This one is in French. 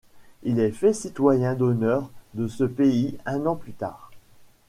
Il est fait citoyen d'honneur de ce pays un an plus tard.